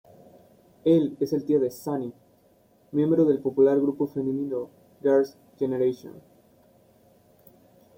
Él es el tío de Sunny, miembro de el popular grupo femenino Girls' Generation.